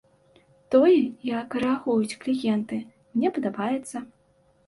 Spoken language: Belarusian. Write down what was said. Тое, як рэагуюць кліенты, мне падабаецца.